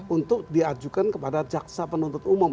untuk diajukan kepada jaksa penuntut umum